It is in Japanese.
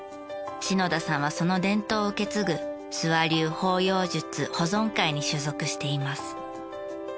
篠田さんはその伝統を受け継ぐ諏訪流放鷹術保存会に所属しています。